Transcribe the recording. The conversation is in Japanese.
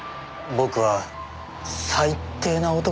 僕は最低な男です。